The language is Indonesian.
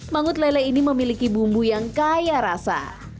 mangut lele ini memiliki bumbu yang kaya rasa